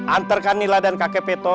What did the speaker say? antar kan nila dan kakek beto